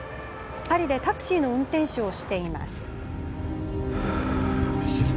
パリでタクシーの運転手をしています。